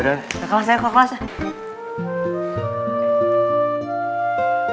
udah kelas ya